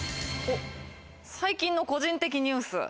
最近の個人的ニュース。